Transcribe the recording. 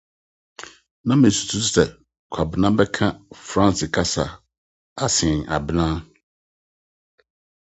Ná misusuw sɛ Kwabena bɛka Franse kasa sen Abena.